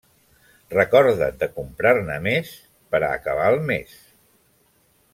Recorda’t de comprar-ne més per a acabar el mes.